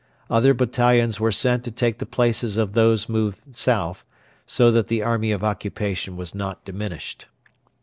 Other battalions were sent to take the places of those moved south, so that the Army of Occupation was not diminished.